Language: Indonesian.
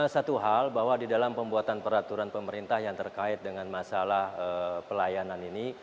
satu hal bahwa di dalam pembuatan peraturan pemerintah yang terkait dengan masalah pelayanan ini